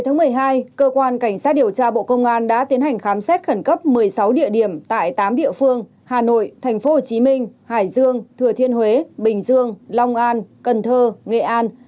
ngày một mươi hai cơ quan cảnh sát điều tra bộ công an đã tiến hành khám xét khẩn cấp một mươi sáu địa điểm tại tám địa phương hà nội tp hcm hải dương thừa thiên huế bình dương long an cần thơ nghệ an